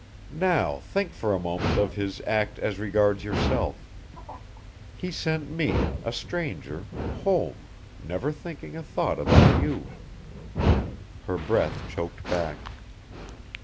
"Now think for a moment of his act as regards yourself. He sent me, a stranger, home, never thinking a thought about you." Her breath choked back.